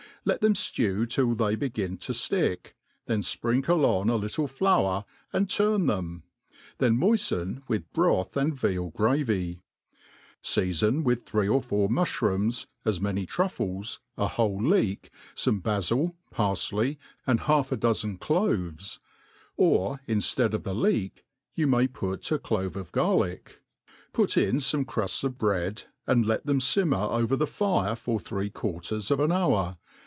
Let them ftcw till ihcy begin to ftick, then fprinkle on a little flour and turn them ; then moiften with broth and veal gravy ; feafon with three or four nuiihrDomd, . 99 many^irufflq?* a whole_ leek, fome bafil,.par.* fley, and half a dozen cloves ; or inftead of the leek, you may put a clove of garlic. Put in foine crufts of bread, and let them fimmer over the>fire for three Quarters of an hour.